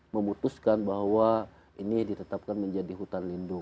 memutuskan bahwa ini ditetapkan menjadi hutan lindung